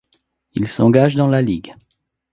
Il s'engage dans la Ligue.